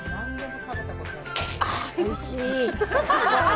あ、おいしい。